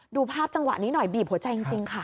ดูภาพจังหวะนี้หน่อยบีบหัวใจจริงค่ะ